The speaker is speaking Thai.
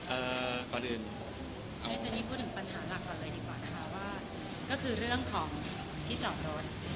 เอ่อก่อนอื่นเนื่องจากนี่พูดถึงปัญหาหลักก่อนเลยดีกว่าค่ะว่าก็คือเรื่องของที่จอดรถ